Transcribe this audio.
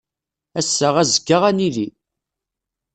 Ass-a azekka ad nili.